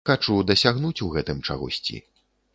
Хачу дасягнуць у гэтым чагосьці.